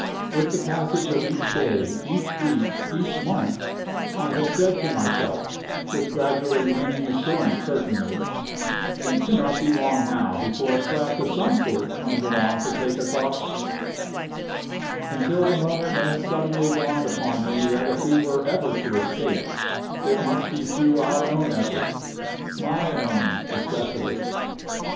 With the passage of each day, each week, each month, I had said to myself with gradually waning assurance certainly "It cannot be long now before a craft of some sort comes along to take us off," until the moment when it suddenly dawned upon me that if we were ever to escape, it must be through our own efforts my own especially.